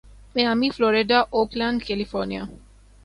Miami Florida Oakland California